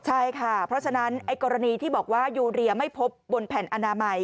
ใช่ค่ะเพราะฉะนั้นไอ้กรณีที่บอกว่ายูเรียไม่พบบนแผ่นอนามัย